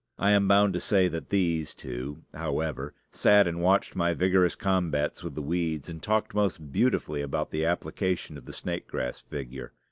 I am bound to say that these two, however, sat and watched my vigorous combats with the weeds, and talked most beautifully about the application of the snake grass figure.